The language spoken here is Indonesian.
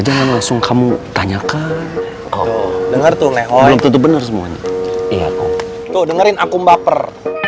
langsung kamu tanyakan kau denger tuh leho itu bener semuanya iya tuh dengerin aku mbaper